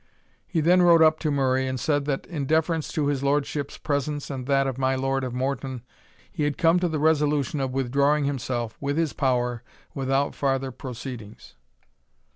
He then rode up to Murray, and said, that, in deference to his Lordship's presence and that of my Lord of Morton, he had come to the resolution of withdrawing himself, with his power, without farther proceedings.